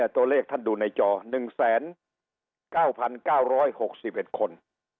ตัวเลขท่านดูในจอ๑๙๙๖๑คน